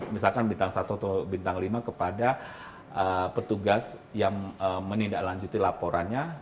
misalkan bintang satu atau bintang lima kepada petugas yang menindaklanjuti laporannya